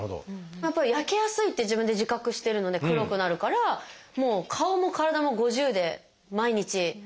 やっぱり焼けやすいって自分で自覚してるので黒くなるからもう顔も体も「５０」で毎日塗ってるんですけど。